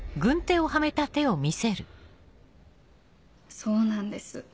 そうなんです。